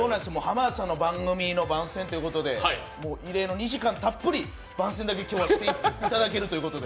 浜田さんの番組の番宣ということで異例の２時間たっぷり番宣だけをしていただけるということで！